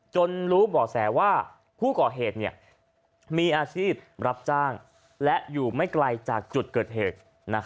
รู้บ่อแสว่าผู้ก่อเหตุมีอาชีพรับจ้างและอยู่ไม่ไกลจากจุดเกิดเหตุ